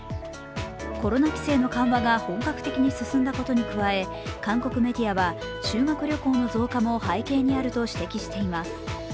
コロナ規制の緩和が本格的に進んだことに加え、韓国メディアは修学旅行の増加も背景にあると指摘しています。